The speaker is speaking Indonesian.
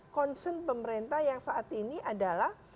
concern pemerintah yang saat ini adalah